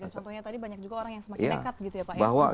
contohnya tadi banyak juga orang yang semakin nekat gitu ya pak ya